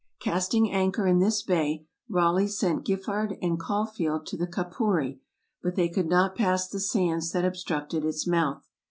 Casting anchor in this bay, Raleigh sent Giffard and Caulfield to the Capuri, but they could not pass the sands that obstructed its mouth.